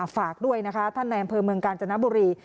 ฝากด้วยนะคะท่านในอำเภอเมืองกาญจนบุรี